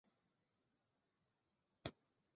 阿尔瓦雷茨生于美国加州伯克利。